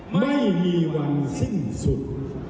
ไม่มีวันสิ้นสุด